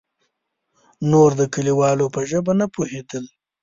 نور د کليوالو په ژبه نه پوهېدل.